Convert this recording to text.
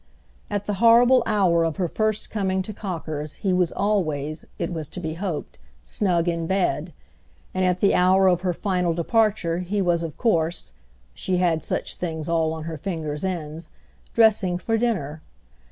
At the horrible hour of her first coming to Cocker's he was always—it was to be hoped—snug in bed; and at the hour of her final departure he was of course—she had such things all on her fingers' ends—dressing for dinner.